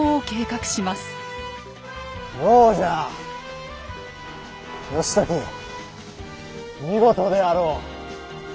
義時見事であろう！